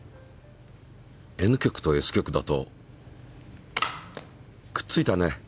Ｎ極とＳ極だとくっついたね。